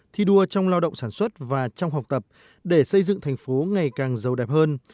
thi đua trong lao động sản xuất và trong học tập để xây dựng thành phố ngày càng giàu đẹp hơn